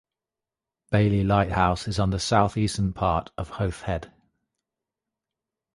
Baily Lighthouse is on the southeastern part of Howth Head.